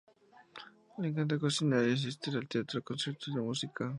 Le encanta cocinar y asistir al teatro y a conciertos de música.